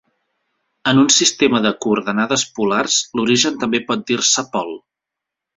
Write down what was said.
En un sistema de coordenades polars, l'origen també pot dir-se pol.